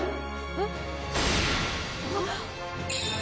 えっ？